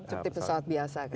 seperti pesawat biasa kan